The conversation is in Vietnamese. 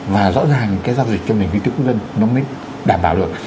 và rõ ràng cái giao dịch cho nền kinh tế quốc dân nó mới đảm bảo được